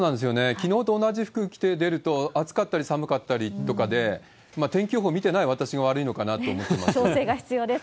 きのうと同じ服着て出ると暑かったり寒かったりとかで、天気予報見てない私が悪いのかなと思ってます。